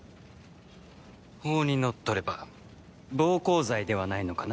法にのっとれば暴行罪ではないのかな？